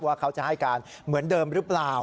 ว่าเขาจะให้การเหมือนเดิมหรือเปล่า